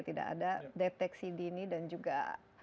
tidak ada deteksi dini dan juga